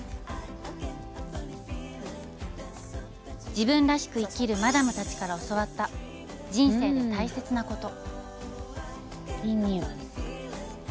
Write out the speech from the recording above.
自分らしく生きるマダムたちから教わった人生で大切なこと。